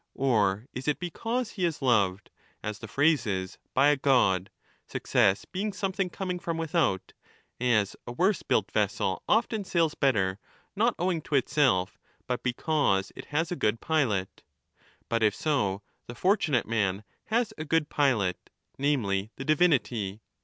^ Or is it because he is loved, as the phrase is, by a god, success being 25 something coming from without, as a worse built vessel often sails better, not owing to itself but because it has a good pilot ? But, if so, the ^ fortunate man has a good pilot, namely, the divinity.